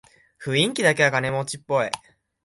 雰囲気だけは金持ちっぽい